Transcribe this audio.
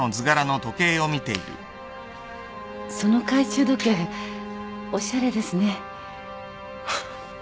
その懐中時計おしゃれですね。